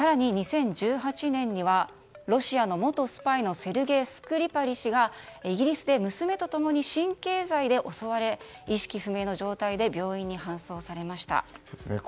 更に２０１８年にはロシアの元スパイのセルゲイ・スクリパリ氏がイギリスで娘と共に神経剤で襲われ意識不明の状態で病院に搬送されました。